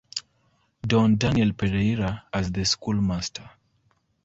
Don Daniel Pereira as the schoolmaster.